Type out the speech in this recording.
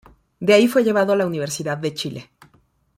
De ahí fue llevado a la Universidad de Chile.